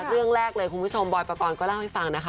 เรื่องแรกเลยคุณผู้ชมบอยปกรณ์ก็เล่าให้ฟังนะคะ